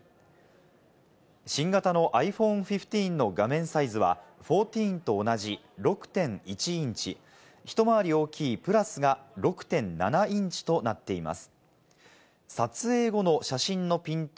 新型のｉＰｈｏｎｅ１５の画面サイズは、１４と同じ６．１インチ、ひと回り大きいプラスが６．７インチとなっています。